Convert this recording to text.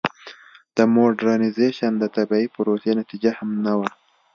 د موډرنیزېشن د طبیعي پروسې نتیجه هم نه وه.